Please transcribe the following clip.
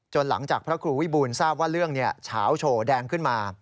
หลังจากพระครูวิบูลทราบว่าเรื่องเฉาโฉแดงขึ้นมา